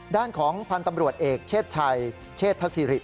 ด้านของพันธ์ตำรวจเอกเชศชัยเชษฐศิริ